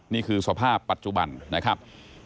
นี่คือสภาพปัจจุบันนะครับ